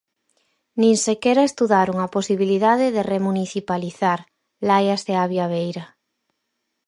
Nin sequera estudaron a posibilidade de remunicipalizar, láiase Avia Veira.